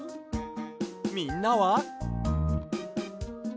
みんなは？